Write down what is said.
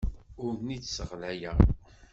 Ur ten-id-sseɣlayeɣ.